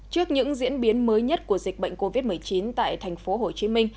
trước những diễn biến mới nhất của dịch bệnh covid một mươi chín tại tp hcm